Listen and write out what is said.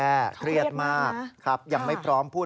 แล้วก็อยากให้เรื่องนี้จบไปเพราะว่ามันกระทบกระเทือนทั้งจิตใจของคุณครู